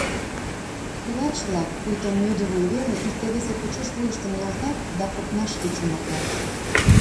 Пулач-влак, пуйто мӧдывуй веле, икте-весе почеш вуйыштым нӧлтат да копнашке чумыргат.